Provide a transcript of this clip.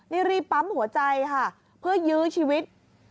นี่รีบปั๊มหัวใจค่ะเพื่อยื้อชีวิต